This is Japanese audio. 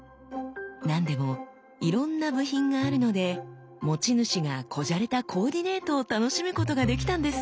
何でもいろんな部品があるので持ち主が小じゃれたコーディネートを楽しむことができたんですって！